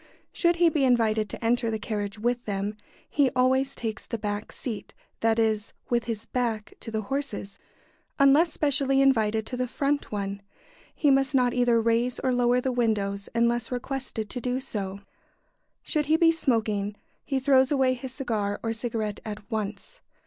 ] Should he be invited to enter the carriage with them, he always takes the back seat that is, with his back to the horses unless specially invited to the front one. He must not either raise or lower the windows unless requested to do so. [Sidenote: On smoking in a carriage.] Should he be smoking, he throws away his cigar or cigarette at once.